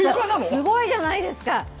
すごいじゃないですか。